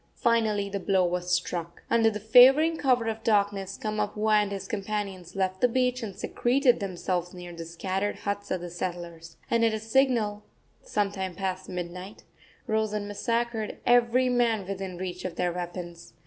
Finally the blow was struck. Under the favoring cover of darkness Kamapuaa and his companions left the beach and secreted themselves near the scattered huts of the settlers, and at a signal, some time past midnight, rose and massacred every man within reach of their weapons.